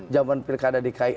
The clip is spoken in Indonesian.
zaman pilkada dki